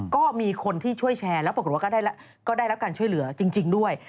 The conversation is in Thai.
ก็มีคนที่ช่วยแชร์แล้วปรากฏว่าก็ได้รับการช่วยเหลือจริงด้วย